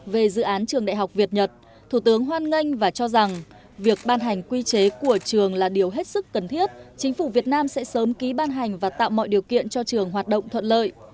về dự án trường đại học việt nhật thủ tướng hoan nghênh và cho rằng việc ban hành quy chế của trường là điều hết sức cần thiết chính phủ việt nam sẽ sớm ký ban hành và tạo mọi điều kiện cho trường hoạt động thuận lợi